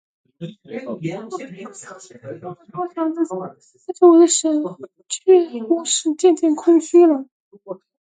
我不知道他们给了我多少日子，但我的手确乎是渐渐空虚了。